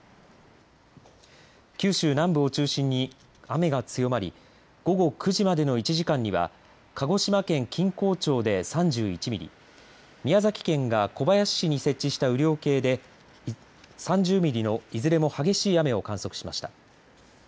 九州南部を中心に雨が強まり午後９時までの１時間には鹿児島県錦江町で３１ミリ宮崎県が小林市に設置した雨量計で３０ミリの、いずれも激しい雨を観測しました。